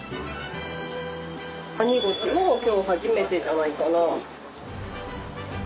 ワニゴチも今日初めてじゃないかな。